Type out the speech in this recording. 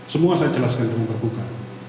semua saya jelaskan dengan terbuka